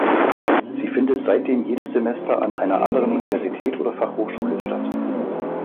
Sie findet seitdem jedes Semester an einer anderen Universität oder Fachhochschule statt.